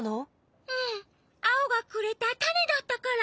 アオがくれたたねだったから。